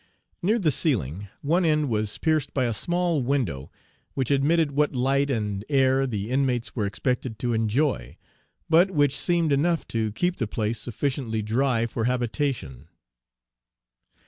Near the ceiling, one end was pierced by a small window which admitted what light and air the inmates were expected to enjoy, but which seemed enough to keep the place sufficiently dry for habitation.